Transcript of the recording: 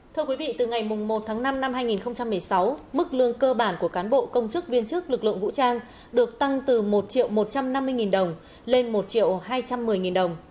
thưa quý vị từ ngày một tháng năm năm hai nghìn một mươi sáu mức lương cơ bản của cán bộ công chức viên chức lực lượng vũ trang được tăng từ một một trăm năm mươi đồng lên một hai trăm một mươi đồng